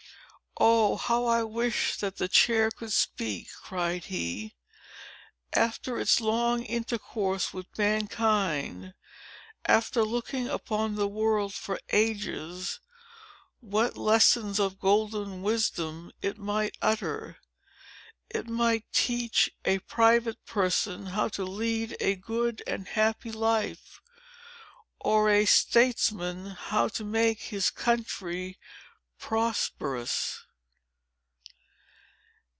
"Oh, how I wish that the chair could speak!" cried he. "After its long intercourse with mankind—after looking upon the world for ages—what lessons of golden wisdom it might utter! It might teach a private person how to lead a good and happy life—or a statesman how to make his country prosperous!"